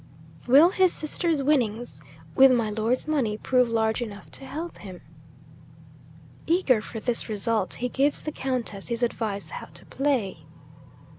'Will his sister's winnings (with my Lord's money) prove large enough to help him? Eager for this result, he gives the Countess his advice how to play.